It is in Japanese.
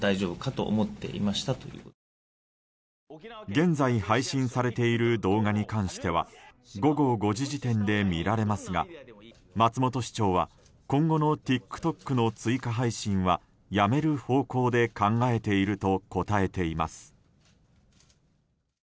現在配信されている動画に関しては午後５時時点で見られますが松本市長は今後のＴｉｋＴｏｋの追加配信はやめる方向で考えていると答えています。